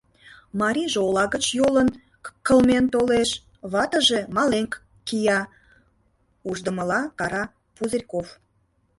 — Марийже ола гыч йолын... к-кылмен толеш, ватыже мален к-кия! — ушдымыла кара Пузырьков.